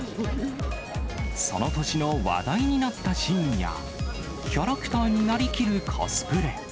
その年の話題になったシーンや、キャラクターになりきるコスプレ。